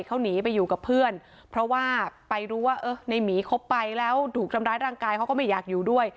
เขาหนีไปอยู่กับเพื่อนเพราะว่าไปรู้ว่าเออในหมีคบไปแล้วถูกทำร้ายร่างกายเขาก็ไม่อยากอยู่ด้วย